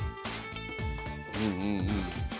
うんうんうん。